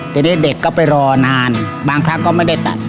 ทีนี้เด็กก็ไปรอนานบางครั้งก็ไม่ได้ตัด